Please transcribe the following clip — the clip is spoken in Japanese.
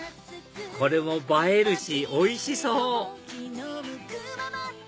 これも映えるしおいしそう！